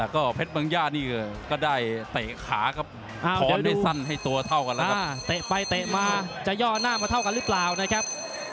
เข้มข้นเลยนะครับ